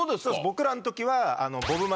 僕らの時は。